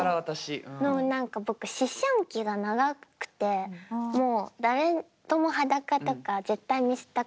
何か僕思春期が長くて誰とも裸とか絶対見せたくない。